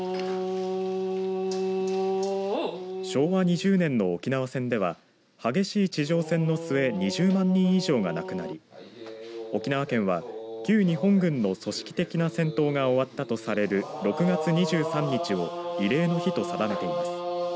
昭和２０年の沖縄戦では激しい地上戦の末２０万人以上が亡くなり沖縄県は旧日本軍の組織的な戦闘が終わったとされる６月２３日を慰霊の日と定めています。